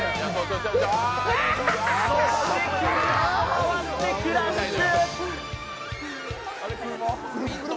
回ってクラッシュ！